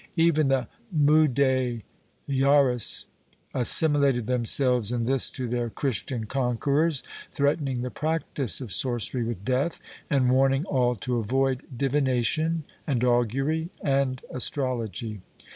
Even the Mudejares assimi lated themselves in this to their Christian conquerors, threatening the practice of sorcery with death, and warning all to avoid divination and augury and astrology.